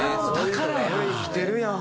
それ生きてるやん。